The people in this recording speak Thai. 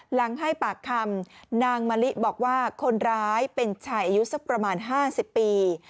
หลังให้ปากคำนางมะลิบอกว่าคนร้ายเป็นชายอายุสักประมาณ๕๐ปี